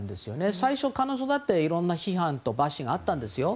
最初、彼女だっていろんな批判とバッシングがあったんですよ。